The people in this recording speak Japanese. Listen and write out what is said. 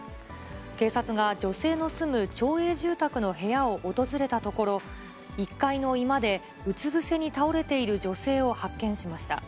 警察が女性の住む町営住宅の部屋を訪れたところ、１階の居間で、うつ伏せに倒れている女性を発見しました。